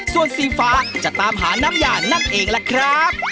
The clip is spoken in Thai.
ส่วนสีฟ้าจะตามหาน้ำยานั่นเองล่ะครับ